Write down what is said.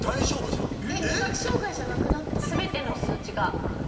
味覚障害じゃなくなった。